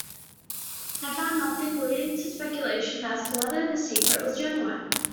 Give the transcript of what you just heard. They found nothing, leading to speculation as to whether this secret was genuine.